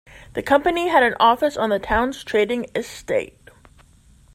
The company had an office on the town's trading estate